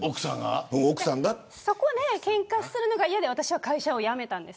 そこでけんかをするのが嫌で私は会社を辞めたんです。